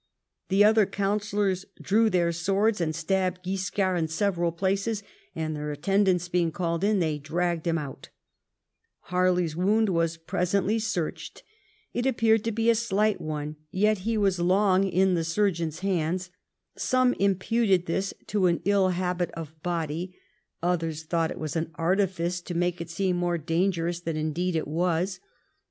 The other councillors drew their swords, and stabbed Guiscard in several places; and their attendants being called in, they dragged him out Harley's wound was presently searched; it ap peared to be a slight one, yet he was long in the sur geon's hands ; some imputed this to an ill habit of body ; others thought it was an artifice, to make it seem more dangerous than indeed it was.